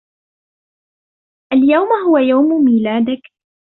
اليوم هو يوم ميلادك